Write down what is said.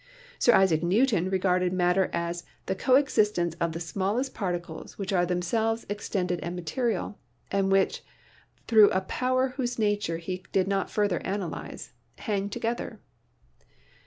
Sir Isaac Newton regarded matter as "the coexistence of the smallest particles which are themselves extended and material" and which, through a power whose nature he did not further analyse, hang together.